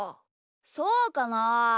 そうかなあ。